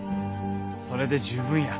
それで十分や。